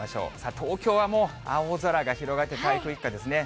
東京はもう青空が広がって、台風一過ですね。